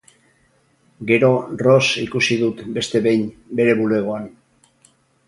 Gero Ross ikusi dut beste behin, bere bulegoan.